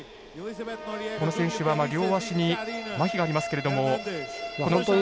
この選手は両足にまひがありますけども。